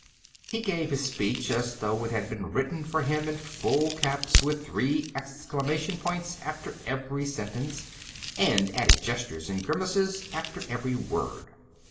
He gave his speech as though it had been written for him in full caps, with three exclamation points after every sentence, and added gestures and grimaces after every word.